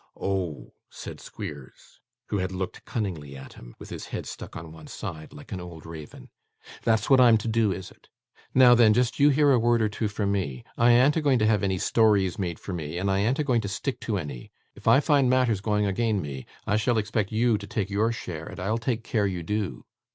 'Oh!' said Squeers, who had looked cunningly at him, with his head stuck on one side, like an old raven. 'That's what I'm to do, is it? Now then, just you hear a word or two from me. I an't a going to have any stories made for me, and I an't a going to stick to any. If I find matters going again me, I shall expect you to take your share, and I'll take care you do.